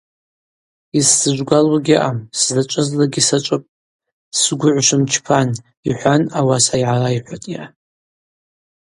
Йысзыжвгвалу гьаъам, сзачӏвызлакӏгьи сачӏвыпӏ, сгвыгӏв швымчпан, — йхӏван ауаса йгӏарайхӏватӏйа.